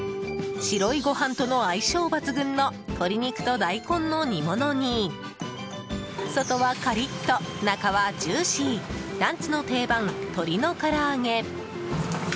白いご飯との相性抜群の鶏肉と大根の煮物に外はカリッと中はジューシーランチの定番、鶏のから揚げ。